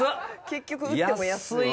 結局売っても安い。